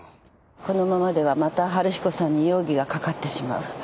このままではまた春彦さんに容疑が掛かってしまう。